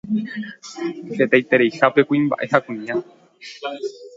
hetaitereihápe kuimba'e ha kuña